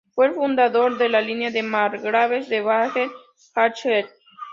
Fue el fundador de la línea de margraves de Baden-Hachberg.